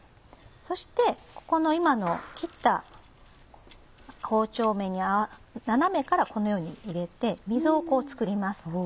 そしてここの今の切った包丁目に斜めからこのように入れて溝を作ります。